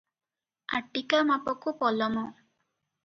ଆଟିକାମାପକୁ ପଲମ ।